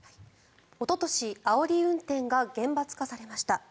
おととし、あおり運転が厳罰化されました。